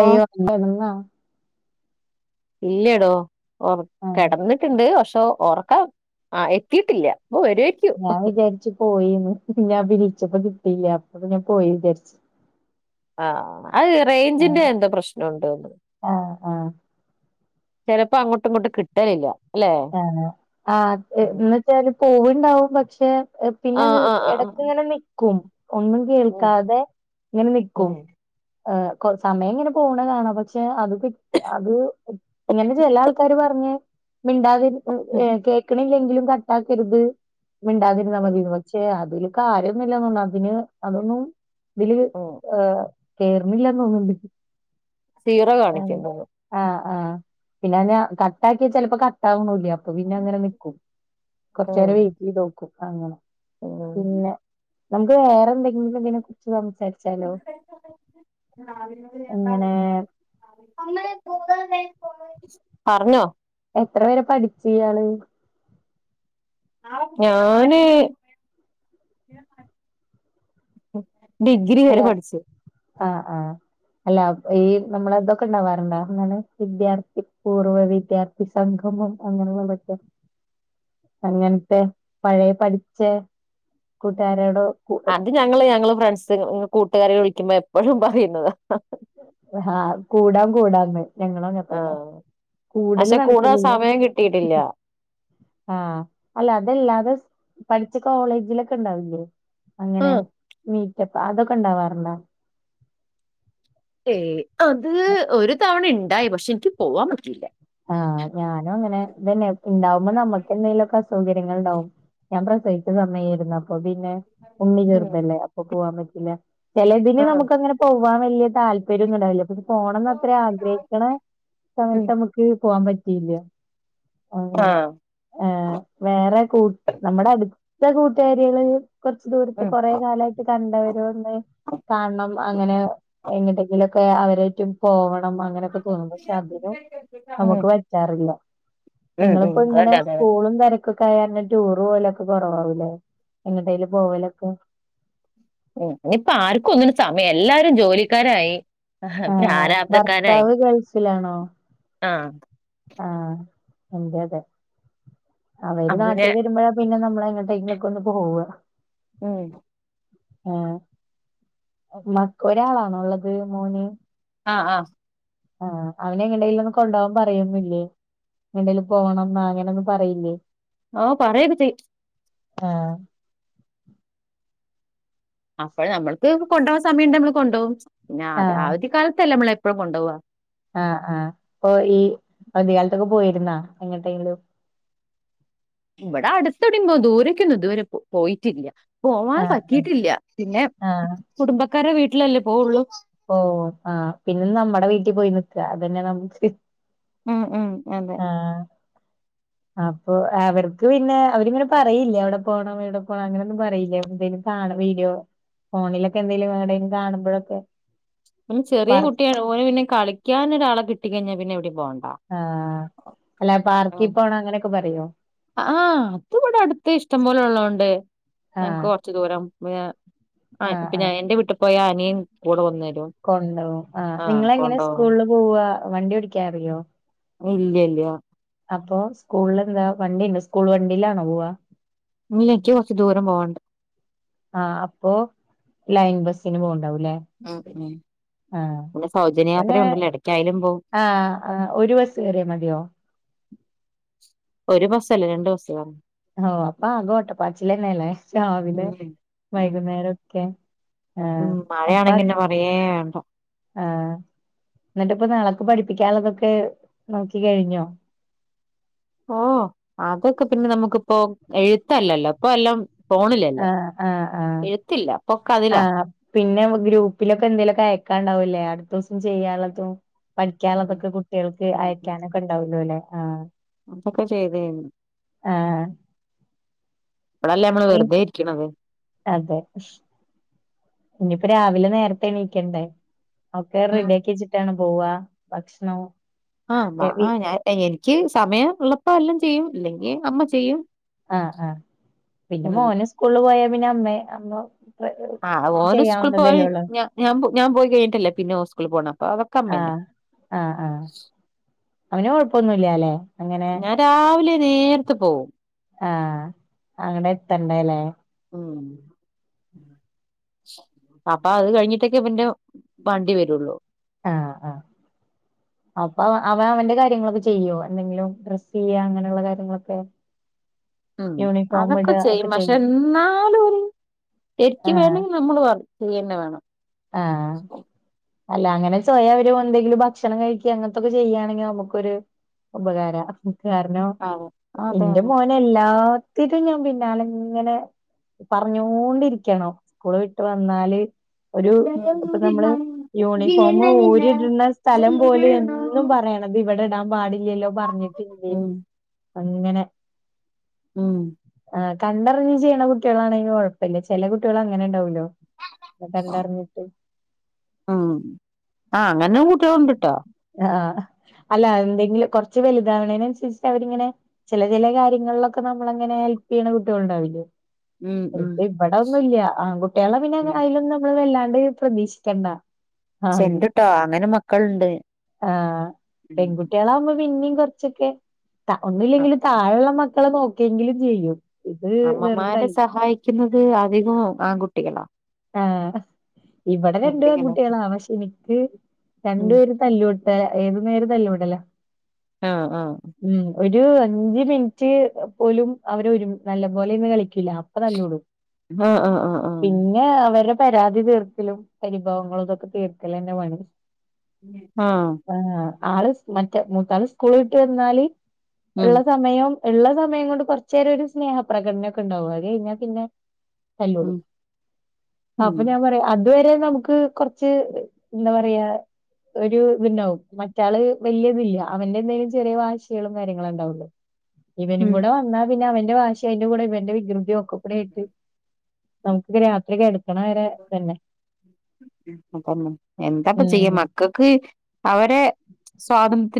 ഓ ണ്ടന്ന ഇല്ലേടോ ഒർ ആഹ് കെടന്നിട്ട്ണ്ട് പക്ഷോ ഉറക്കാ ആ എത്തിട്ടില്ല ഞാൻ വിചാരിച്ചു പോയിന്ന് പിന്നെ വിരിച്ചപ്പ കിട്ടീല്ല അപ്പൊപിന്നെ ഞ പോയി വിചാരിച്ചു ആ അത് ആഹ് റേഞ്ചിന്റെ എന്ത പ്രശ്നൊണ്ടെന്ന് ആഹ് ആഹ് ചിലപ്പോ അങ്ങോട്ടുങ്ങോട്ടും കിട്ടലില്ല അല്ലെ ആണോ ആ ന്ന ച്ചാല് പോവണ്ടാവും പക്ഷെ ഏ ആ പിന്നെത് ആ ആ ആ എടയ്ക്ക്ങ്ങനെ നിക്കും ഒന്നും ഉം കേൾക്കാതെ ഇങ്ങനെ നിക്കും ഉം എഹ് കൊ സമയം എങ്ങനെ പോണെ കാണാ പക്ഷെ അത് അത് ഇങ്ങനെ ചില ആൾക്കാര് പറഞ്ഞ് മിണ്ടാതിരി ഉം എ ഹ് കേൾക്കണില്ലെങ്കിലും കട്ടാക്കരുത് മിണ്ടാതിരുന്നാ മതിന്ന് പക്ഷേ അതിൽ കാര്യന്നുല്ലാന്ന് ഉള്ളതാ അതൊന്നും ഇതില് ഉം. ഏ കേറുന്നില്ലന്ന് തോന്നുന്നുണ്ട് സീറോ കാണിക്കന്നത് ആഹ പിന്നെന്ന കട്ട ആക്കിയാ ചിലപ്പോ കട്ട ആവണൂല്യ അപ്പൊ പിന്നെ അങ്ങനെ നിക്കും കൊർചേരം വെയിറ്റയ്തോക്കും അങ്ങനെ ആഹ പിന്നെ നമുക്ക് വേറെന്തെങ്കിലും തിനെ കുറിച്ച് സംസാരിച്ചാലോ ഇങ്ങനെ അങ്ങനെ പോകാതെ [unintelligible] പറഞ്ഞോ എത്രവരെ പഠിച് ഇയാള് ഞാന്. ഡിഗ്രി വരെ അല്ല പഠിച്ചു ആഹ ആഹ അല്ല. ഈ നമ്മളതൊക്കെ ഉണ്ടാവാറുണ്ടാ ന്താണ് വിദ്യാർത്ഥി പൂർവ്വ വിദ്യാർത്ഥി സംഗമം അങ്ങനെ. പച്ചേ. [inaudible] [inaudible] അങ്ങനത്തെ പഴയ പഠിച്ച കൂട്ടുകാരോടോ. അത് ഞങ്ങള് ഞങ്ങള് ഫ്രണ്ട്സ് കൂട്ടുകാരെ വിളിക്കുമ്പോ എപ്പോഴും പറയുന്നത. ആഹാ കൂടാം കൂടാംന്ന്. ഞങ്ങളും ആ അങ്ങതന്നെ കൂടല് പക്ഷെ കൂടാൻ നടക്കലില്ല. സമയം കിട്ടിയിട്ടില്ല ആഹ അല്ല അതല്ലാതെ. പഠിച്ച കോളേജിലൊക്കെ ണ്ടാവില്ലേ ആ അങ്ങനെ. പ്പ അതൊക്കെ ഇണ്ടാവാറുണ്ടാ. ഏയ് അത് ഒരു തവണ ഇണ്ടായി പക്ഷെ ഇനിക്ക് പോവാൻ പറ്റിലാ. ആഹ ഞാനും അങ്ങനെതനെ പിന്നെ. [unintelligible] ഇണ്ടാവുമ്പോ നമ്മുക്ക് എന്തെങ്കിലൊക്കെ അസൗകര്യങ്ങൾ ഇണ്ടാവും ഞാൻ പ്രസവിച്ച സമയെയിരുന്നു അപ്പൊ. അപ്പോ പിന്നെ ഉണ്ണി ഉം ചെറുതല്ലേ അപ്പൊ പോവാൻ പറ്റില്ല, ചിലതിന് ആഹ് നമുക്ക് അങ്ങനെ പോവാൻ വലിയ. താല്പര്യോന്നും ഉണ്ടാവില്ല പക്ഷെ പോണന്നത്ര ആഗ്രഹിക്കണ ഉം സമയത്ത് നമുക്ക്. പോകാൻ പറ്റില്യ. അങ്ങനെ ആഹ് ഏ വേറെ കൂ നമ്മുടെ അടു. ത്ത കൂട്ടാര്യേള്. കൊറച് ദൂരത്ത് ഉം കൊറെേ കാലായിട്ട് കണ്ടവരൊന്ന് കാണണം അങ്ങനെ എങ്ങട്ടെങ്കിലൊ. ക്കെ അവരായിറ്റും പോവണം അങ്ങനെയൊക്കെ തോന്നും പക്ഷെ അതിനും. ഉം നമുക്ക് പറ്റാറില്ല ഉം ഉം നിങ്ങളിപ്പോ ഇങ്ങനെ അതന്നെ അതന്നെ സ്കൂളും കാ. ക്കൊക്കെയാൽ ടൂറ് പോവലൊക്കെ കൊറവാവുലേ എങ്ങാട്ടേലും പോവലൊക്കെ. ഉ ഇനിപ്പം ആർക്കും ഒന്നിനും സമയംല്ല എല്ലാരും ജോലിക്കാരായി. ആഹ് അ പ്രാരാപ്തക്കാരായി ആഹ. ആഹ എന്റെ അതെ അവര് അപ്പൊ പിന്നെ നാട്ടിൽ വരുമ്പോഴാ പിന്നെ നമ്മൾ. എങ്ങട്ടേങ്കിലൊക്കൊന്ന് പോവ. ഉം. ആഹ മ ഒരാളാണോള്ളത് മോന്. ആഹ ആഹ. ആഹ അവനെ എങ്ങടെലൊന്ന് കൊണ്ടോവാൻ പറയുന്നില്ലേ. എങ്ങടെലും പോണം ന്നാ അങ്ങനെയൊന്നും പറയില്ലേ. ഓ പറയൊക്കെച്ചെയും. ആഹ. അപ്പോള് നമ്മൾക്ക് കൊണ്ടുവാൻ സമയം ഇണ്ടേൽ നമ്മൾ കൊണ്ടോവും പിന്നെ അ ആഹ് അവധി കാലത്തല്ലേ. നമ്മള് പ്പഴും കൊണ്ടോവാ. ആഹ് ആഹ് ഇപ്പൊ ഈ അവദ്യ കാലത്തൊക്കെ പോയിരുന്നാ എങ്ങട്ടേലും. ഇവിടെ അടതെവിടേം ദൂരക്കൊന്നും ഇതവരെ പോയിട്ടില്ല. പോവാൻ ആഹ് പറ്റിട്ടില്ല പിന്നെ ആഹ് കുടുംബക്കാരെ വീട്ടിലല്ലേ പോവുള്ളു. ഓ ആഹ് പിന്നെ നമ്മുടെ വീട്ടിൽ പോയി നിക്ക അതന്നെ നമുക്ക്. ഉം ഉം അതെ. ആഹ് അപ്പൊ അവർക്ക് പിന്നെ അവരിങ്ങനെ പറയില്ല അവിടെ പോണം ഇവിടെ പോണം അങ്ങനെയ ഒന്നും പറയിലെ ന്തേലും കാണണം. വീഡിയോ ഫോണിലൊക്കെ എന്തേലും എടെങ്കിലും കാണ്പഴൊക്കെ. പിന്നെ ചെറിയ കുട്ടിയാ ഓൻ പിന്നെ കളിക്കാനൊരാളെ കിട്ടിക്കഴിഞ്ഞാ പിന്നെ എവിടെ. ആ അല്ല പാർക്കി പോണം അങ്ങനെയൊക്കെ പറയോ. ആ അത് ഇവിടെ അടുത്ത ഇഷ്ടം പോലെ ഉള്ളതോണ്ട് ഞങ്ങക്ക് ആഹ് കൊറച്ച് ദൂരം. ആഹ് പിന്നെ ആഹ് എന്റെ വീട്ടിൽ പോയ അനിയും കൂടെ വന്ന. കൊണ്ടോവും ആ ഇങ്ങളങ്ങന ഉസ്കൂളിൽ പോവ വണ്ടി ഓടിക്കാറിയോ. ഇല്ലയ ഇല്ലയ അപ്പൊ സ്കൂളിൽ എന്താ വണ്ടിണ്ട് സ്കൂൾ വണ്ടിയിലാണോ പോവാ ഇല്ല ഇനിക്ക് കുറച്ച് ദൂരം പോകണ്ട്. ആ അപ്പോ ലൈൻ ബസിന് പോകണ്ടാവു ഉ ഉം പിന്നെ സൗജന്യയാത്ര പിന്നെ ഉണ്ടല്ലോ എടക്കായിൽ പോവും ആഹ് ആഹ് ഒരു ബസ് കേറിയാ മതിയോ ഒരു ബസ്സല്ലേ രണ്ട് ബസ്റ്റോ ഓ അപ്പ അഗോട്ടപ്പാച്ചിലന്നെല്ലേ രാവലെ ഉം ഉം വൈകുന്നേരക്കെ ആ ഉം അപ്പ മഴയാണെങ്കി പിന്നെ പറയേ വേണ്ട ആ എന്നിട്ട്പ്പൊ നാള പഠിപ്പിക്കാനുള്ളതൊക്കെ നോക്കി കഴിഞ്ഞോ? ഓ അതൊക്കെ പിന്നെ നമുക്കിപ്പോ എഴുത്തല്ലല്ലോ ഇപ്പല്ലാം ആ ആഹ് ആ പൊക്ക ആ അതിലാ പിന്നെ ഗ്രൂപ്പിലൊക്കെ എന്തേങ്കലൊക്ക അയക്കാണ്ടാവല്ലേ അവി അ ദിവസം ചെയ്യാനുള്ളതും ഉം പഠിക്കാനുള്ളതൊക്കെ കുട്ടികൾക്ക് അയക്കാനൊക്കെ ഉണ്ടാവല്ലോ അല്ലേ ആ് അതൊക്കെ ചെയ്തയ്ഞ്ഞു. ആഹ് ഇരിക്കണത് അതെ ഇനി ഇപ്പൊ രാവിലെ നേരത്തെ എണീക്കണ്ടേ ഒക്കെ ഉം റെഡി ആക്കി വച്ചിട്ടാണ് പോവാ ഭക്ഷണവും ആഹാ ആ ഞാ എനിക്ക് സമയം എളപ്പ എല്ലാം ചെയ്യും ഇല്ലെങ്കിൽ അമ്മ ചെയ്യും. ആ ആ പിന്നെ അങ്ങനെ മോന് സ്കൂള പോയ പിന്നെ അമ്മേ അമ്മ പ്ര- ആ ഓന് സ്കൂളിൽ ചെയ്യാവുന്നതല്ലേ ഉള്ളൂ പോഞാൻ ഞാൻ പോയി കഴിഞ്ഞിട്ടല്ലേ പിന്നെ ഓ സ്കൂളിൽ പോണ് ആഹ് ആ ആഹ് അവനെ കൊഴപ്പൊന്നുല്ല അല്ലെ ഞാൻ രാവിലെ നേരത്ത പോവും ആ അങ്ങടെ എത്തണ്ടല്ലേ ഉം അപ്പൊ അത് കഴിഞ്ഞിട്ടൊക്കെ പിന്നെ വണ്ടി വരുള്ളു ആ ആ അപ്പൊ അവ അവൻ അവന്റെ കാര്യങ്ങളൊക്കെ ചെയ്യോ എന്തെങ്കിലും ഡ്രസ്സ് ചെയ്യാ അങ്ങനെയുള്ള കാര്യങ്ങളൊക്കെ ഉം യൂണിഫോം ഇട അതൊക്കെ ചെയ്യും ഒക്കെ പക്ഷെ എന്നാലും ഒരു ശക്ക് വേണമെങ്കിൽ നമ്മൾ വർക്കയ്യന്നെ വേണം. ആ അല്ല അങ്ങനെ സ്വയാ അവര് എന്തെങ്കിലും ഭക്ഷണം കഴിക്കി അങ്ങനത്തൊക്കെ ചെയ്യയാണെങ്കിൽ നമുക്കൊരു ഉപകാര കാരണം അതെ അതെ എന്റെ അതെ മോനെല്ലാ ത്തിട്ടും ഞാൻ പിന്നാല ഇങ്ങനെ പറഞ്ഞൊണ്ടിരിക്കണം സ്കൂള് വിട്ട് വന്നാല് ഒരു ഇപ്പൊ നമ്മള് ഉം യൂണിഫോം ഊരിടുന്ന സ്ഥലം പോലും എന്നും പറയണത് ഇവിടെ ഇടാൻ പാടില്ലല്ലോ പറഞ്ഞിട്ടില്ലേ ഉം അങ്ങനെ ഉം ആ കണ്ടറിഞ്ഞ് ചെയ്യണ കുട്ടികളാണെങ്കിൽ കുഴപ്പല്ല. ചില കുട്ടികൾ അങ്ങനെ ഉണ്ടാവല്ലോ. അ കണ്ടറിഞ്ഞിട്ട് ഉം ആഹ് അങ്ങനെ കൂട്ടിയാള്ണ്ട്ട്ടോ ആ അല്ല എന്തെങ്കിലും കുറച്ച് വലുതാവണേനനുസരിച്ച് അവരിങ്ങനെ ചില ചില കാര്യങ്ങളിലൊക്കെ നമ്മള അങ്ങനെ ഹെൽപ് ചെയ്യുന്ന കുട്ടികൾണ്ടാവില്ലോ ഉം ഉം ഇത് ഇവിടെ ഒന്നുംല്ല ആൺ കുട്ടികളെ പിന്നെലയും അയ്ല് നമ്മള് വല്ലാതെ തെ പ്രതീക്ഷിക്കണ്ട. സെന്റ്ട്ടോ അങ്ങനെ മക്കളുണ്ട്. ആ ഉം പെൺകുട്ടികളാവകുമ്പോ പിന്നേയും കൊറച്ചൊക്കെ ഒന്നുമില്ലെങ്കിൽ താഴള്ള മക്ക ളെ നോക്കിയെങ്കിലും ചെയ്യും. ഇത് വെറും അമ്മമാരെ തല്ല് സഹായിക്കുന്നത് അധികം ആൺകുട്ടികളാ. ആ ഇവിടെ രണ്ടു എന്തെങ്കിലൊക്കെ പേൺകുട്ടികളാണ് പശേ എനിക്ക് രണ്ടു ഉം പേര് തല്ലവിട്ട ഏത് നേരം തല്ലുടല്ല ആ ആ ഒരു അഞ്ച് മിനിറ്റ് പോലും അവരെ ഒരു നല്ല പോലെ ഇന്ന് കളിക്കൂില്ല അപ്പൊ തല്ലുടും ആ ആ ആ ആ അവടെ പരാതി തീർക്കലും പരിഭവങ്ങളും ഇതൊക്കെ തീർക്കലെന്നെ പണി ആ ആഹ് ആള് മറ്റേ മൂത്ത ആൾ സ്കൂള ഇട്ട് വന്നാല് ഉം ഇള്ള സമയം ഇള്ള സമയം കൊണ്ട് കുറച്ചു നേരം ഒരു സ്നേഹപ്രകടന ഒക്കെ ഉണ്ടാവും അതെ കഴിഞ്ഞാൽ പിന്നെ ഉം തല്ലോടും ഉം അപ്പൊ ഞാൻ പറയാ അതുവരെ നമുക്ക് കുറച്ച് എന്താ പറയാ ഒരു ഇതുണ്ടാവും മറ്റാള് വല്യയ ഇതില്ല അവന്റെ എന്തേങ്കിലും ചെറിയ വാശകളും കാര്യങ്ങളും ഉണ്ടാവുള്ളൂ ഇവനും ഉം കൂടെ വന്നാ പിന്നെ അവന്റെ വാശി അയിന്റെ കൂടെ ഇവന്റെ വികൃതി ക്ഒക്കെകൂടൊയിട്ട് നമുക്ക് രാത്രി ക എടുക്കണ വരെ തന്നെ അതന്നെ എന്താപ്പ ചെയ്യ ഉം മക്കൾക്ക് അവരെ സ്വാതന്ത്ര്യം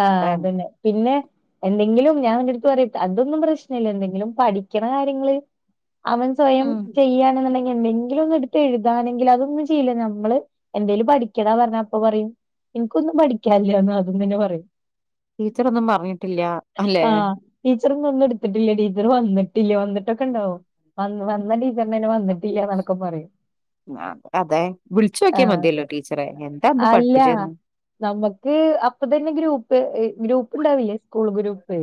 ആ അതന്നെ പിന്നെ എന്തെങ്കിലും ഞാൻ വേണ്ടിടുത്ത് പറയട്ടെ അതൊന്നും പ്രശ്ന ഇല്ല എന്തെങ്കിലും പഠിക്കണ കാര്യങ്ങള് അവൻ സ്വയം ഉം ചെയ്യാണെന്നണ്ടെകി എന്തെങ്കിലും ഒന്നും എടുത്ത് എഴുതാാനെങ്കിൽ അതൊന്നും ചെയ്ല്ല നമ്മള് എന്തെേലും പഠിക്കെടന്ന് പറഞ്ഞ അപ്പ പറയും എനിക്കൊന്നും പഠിക്കില്ലന്ന് ആദ്യം തന്നെ പറയയും ടീച്ചർൊന്നും പറഞ്ഞിട്ടില്ല അല്ലെ ടീച്ചറോന്നും എടുത്തിട്ടില്ല ടീച്ചർ വന്നി്ട്ടില്ല ടവന്നിട്ടില്ല വന്നിട്ടൊക്കെ ഉണ്ടാവും വ വന്ന ടീച്ചറിനെ തന്നെ വന്നിട്ടില്ല എന്നൊക്കെ പറയും അതെ വിളിച്ചു നോക്കി ആഹ് മതിയല്ലോ ടീച്ചറെ എന്താന്ന് അല്ല പഠിപ്പിച്ചന്ന് നമുക്ക് അപ്പ തന്നെ ഗ്രുപ്പ് ഗ്രൂപ്പ് ഉണ്ടാവില്ലേ സ്കൂൾ ഗ്രൂപ്പ്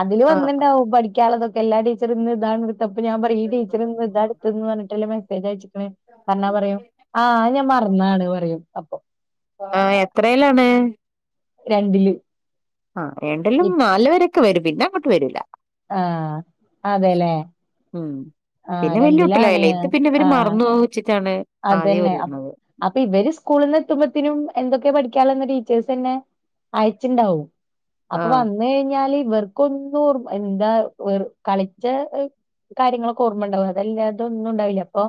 അതില് ആഹ് വന്നിണ്ടാവും പഠിക്കാനുള്ളതൊക്ക എല്ലാ ടീച്ചർ ഇന്ന് ഇതാണ് അപ്പൊ ഞാൻ പറയും ഈ ടീച്ചന്ന് ഇതാതെടുത്തെന്ന് പറഞ്ഞിട്ട മെസ്സേജ് അയചക്കനണ്ന്ന് പറഞ്ഞ പറയും പറഞ്ഞാണ് പറയും അപ്പൊ ആ എത്രയിലാണ് രണ്ടില് ആ രണ്ടിലും നാലല്ക്കെ വരും പിന്നെ അങ്ങോട്ട് വരൂല ആ അതെല്ലേ ഉം ആഹ് പിന്നെ രണ്ടിലാണ് വെല്ലിയകുട്ട്യോളായില്ലേ ഇത് പിന്നെ ഇവര് ആഹ് മറന്നൊവൊന്ന് വെച്ചിട്ടാണ് ആദ്യം അതന്നെ ഒരുങ്ങുന്നത് അപ്പൊ പഠിക്കാനുള്ളത് ടീച്ചേർസ് തന്നെ അയച്ചിണ്ടാവും അപ്പോ ആഹ് വന്നാഴിഞ്ഞാല് ഇവർക്കൊന്നും എന്താ കളിച്ച കാര്യങ്ങളൊക്കെ ഓർമ്മ ഉണ്ടാവും അതെല്ലാത ഒന്നും ഉണ്ടാവില്ല അപ്പൊ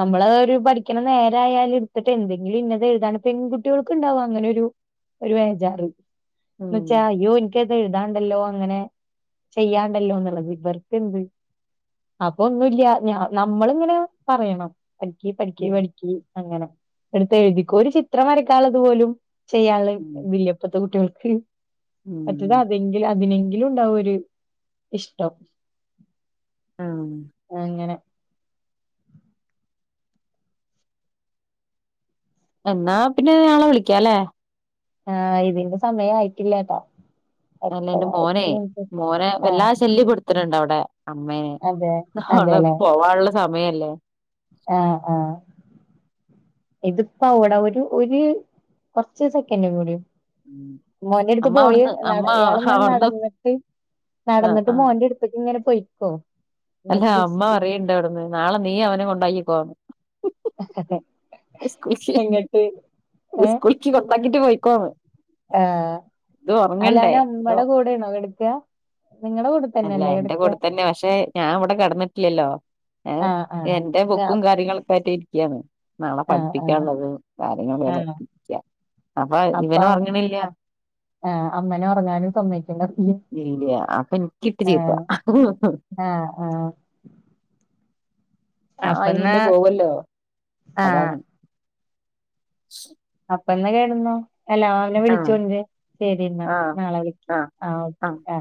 നമ്മള ഒരു പഠിക്കണ നേരായാലും എടുത്തിട്ട് എന്തെങ്കിലും ഇന്നത എഴുതാണ് പെൺകുട്ടികൾക്കക്ക് ഉണ്ടാവും അങ്ങനെരു ഒരു വെജാർ ഉം എന്നചാ അയ്യോ ആയോ എനക് അത് എഴുതാനുണ്ടാലോ അങ്ങനെ ചെയ്യാണ്ടല്ലോന്നുള്ളത് ഇവർക്കെന്ത് അപ്പൊ ഒന്നുല്ല്യ നമ്മളിങ്ങനെ പറയണം പഠിക്കി പഠിക്കി ഉം അങ്ങനെഎടുത്ത് എഴുതിക്ക ഒരു ചിത്രം വരക്കാുള്ളത്പോലും ചെയ്യാുള്ള ഉം ഇതില്ല്യ ഇപ്പത്തെ കുട്ട്യോൾക് ഉം മറ്റേത് അതെങ്കിൽ അതിനെ എതിലും ഉണ്ടാവും ഒരു ഇഷ്ടം ആഹ് അങ്ങനെ എന്നാ പിന്നെ നാളെ വിളിക്കാലേ ആ ഇതിന്റെ സമയം ആയിട്ടില്ലട്ടോ അല്ല എന്റെ മോനെ മോനെ ആഹ് വല്ലാതെ ശ്യല്യപെടുത്തിണിണ്ട് അവടെ അമ്മേ അതെ നാളെ പോവാനുള്ള സമയല്ലേ ആ ആ ഇതിപ്പൂട ഒരു ഒരു കുറച്ച് സെക്കൻഡ കൂടി ഉം. മോന എടുത്ത് അമ്മ പോയി അവിടുന്ന് നട അമ്മ ഇയാള ഇങ്ങനെ അവിടുന്ന് നടന്നിട്ട് ആഹ് നടന്നിട്ട് ആഹ് മോന്റെ അടുത്തേക്ക് ഇങ്ങനെ പോൊയിക്കോ അല്ല അമ്മ അറണ്ട അവിടന്ന് നാളെ നീ അവനെ കൊണ്ടാക്കിിക്കന്ന് ഓക്കെെ കൂകൂൾക്ക് കൊത്താക്കിട്ട് പോയിക്കോ ആ അല്ല അവന ഇതോ അമ്മടെ കൂടെണോ കടുക്കയാ അല്ല എന്റെ കൂടെ തന്നെ പക്ഷെ ഞാൻ ഇവിടെ കിടന്നിട്ടില്ലല്ലോ ഏ ആഹ് ആഹ്. എന്റെ ബുക്കും കാര്യങ്ങളൊക്കെ ആട്ടി ഇരിക്കുകന്ന് നാളെ ആഹ് ആഹ് പഠിക്കാനുള്ളത് കാര്യങ്ങള ആഹ്. പിക്ക അപ്പൊ ഇവന പററങ്ങണില്ല ആ അമ്മനെ ഉറങ്ങാനും തമ്മക്കും ഇല്ല അപ്പൊ എനക്ക്ട്ട ചീത്ത ആഹ് [inaudible] ആഹ് ആഹ്. ഞാൻ അതിന് അപ്പന്നാ മുന്നേ പോവല്ലോ ആഹ് അതാമി അപ്പ എന്നാ കേടന്നോ എല്ല അവനെ ആഹ് വിളിച്ചോണ്ട് ശരി എന്നാ ആഹ് നാളെ വിളക്ക് ആഹ് ആ ഓക്കെ ആ